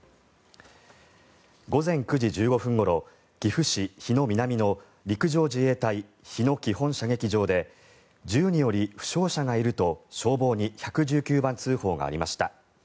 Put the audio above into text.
午前９時１５分ごろ岐阜市日野南の陸上自衛隊日野基本射撃場で銃により負傷者がいると、消防に１１９番通報がありました。